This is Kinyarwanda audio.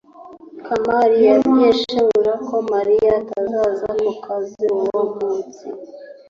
kamali yabwiye shebuja ko mariya atazaza ku kazi uwo munsi